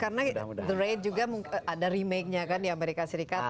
karena the raid juga ada remake nya kan di amerika serikat